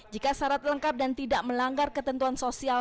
jika syarat lengkap dan tidak melanggar ketentuan sosial